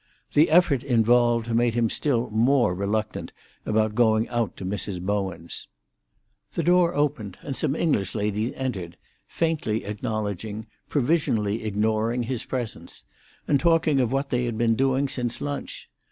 The effort involved made him still more reluctant about going out to Mrs. Bowen's. The door opened, and some English ladies entered, faintly acknowledging, provisionally ignoring, his presence, and talking of what they had been doing since lunch.